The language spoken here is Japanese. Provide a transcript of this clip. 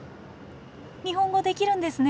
日本語できるんですね。